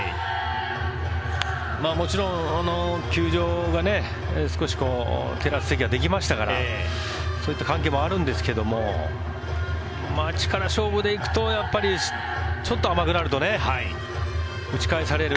もちろん、この球場が少しテラス席ができましたからそういった関係もあるんですけども力勝負で行くとちょっと甘くなると打ち返される。